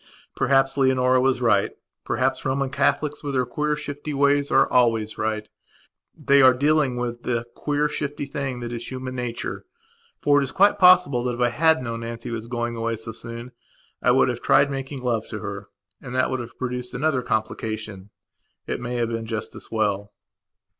Perhaps Leonora was right; perhaps Roman Catholics, with their queer, shifty ways, are always right. They are dealing with the queer, shifty thing that is human nature. For it is quite possible that, if I had known Nancy was going away so soon, I should have tried making love to her. And that would have produced another complication. It may have been just as well.